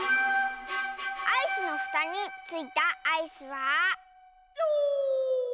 アイスのふたについたアイスは。